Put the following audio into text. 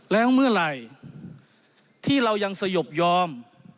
แล้วเมื่อไหร่ที่เรายังสยบยอม